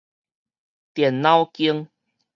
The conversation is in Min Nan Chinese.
電腦間